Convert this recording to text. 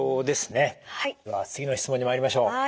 では次の質問にまいりましょう。